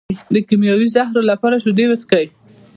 د کیمیاوي زهرو لپاره شیدې وڅښئ